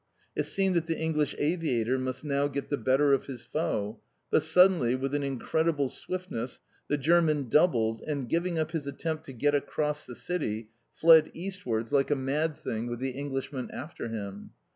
It seemed that the English aviator must now get the better of his foe; but suddenly, with an incredible swiftness, the German doubled and, giving up his attempt to get across the city, fled eastwards like a mad thing, with the Englishman after him.